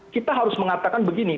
kita harus mengatakan begini